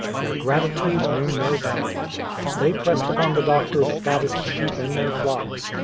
Their gratitude knew no bounds. They pressed upon the doctor the fattest sheep in their flocks.